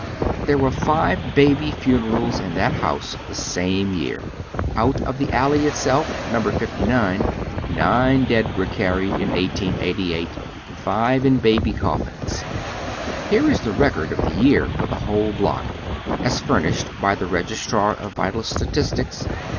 Tiiero wem five baby funerals in that house the same year. Out of the alley itself, No. 59, nine dead were carried iu 1888, tive in baby cofiBiis. Here is tho recoi d of the year for the whole block, as furnished by the Kegistrar of Vital Statistics, Br.